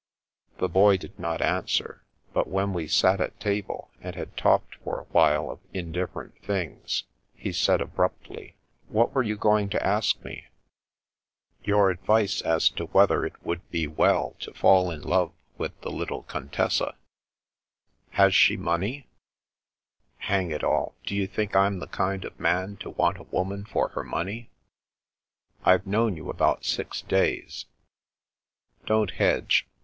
The Boy did not answer ; but when we sat at table, and had talked for a while of indifferent things, he said abruptly :" What were you going to ask me ?"" Your advice as to whether it would be well to fall in love with the little Contessa." 184 The Princess Passes " Has she money ?"" Hang it all, do you think Vm the kind of man to want a woman for her money ?"" I've known you about six days." " Don't hedge.